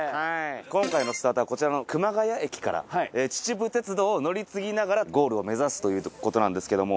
今回のスタートはこちらの熊谷駅から秩父鉄道を乗り継ぎながらゴールを目指すということなんですけども。